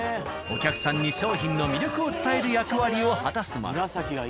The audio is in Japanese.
お客さんに商品の魅力を伝える役割を果たすもの。